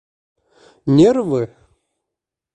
Нервы!